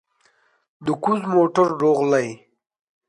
د ګوز موتر روغلى.